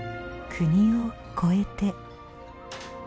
国を超えて。